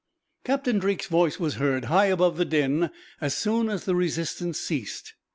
Captain Drake's voice was heard, high above the din, as soon as the resistance ceased.